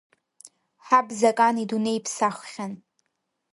Ҳаб Закан идунеи иԥсаххьан.